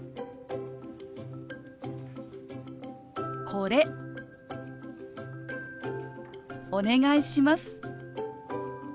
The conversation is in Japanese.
「これお願いします」。